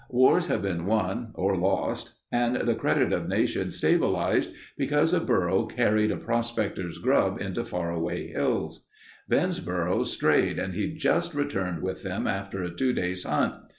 Wars have been won or lost and the credit of nations stabilized because a burro carried a prospector's grub into faraway hills. Ben's burros strayed and he'd just returned with them after a two days' hunt.